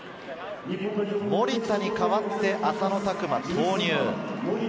守田に代わって浅野拓磨投入。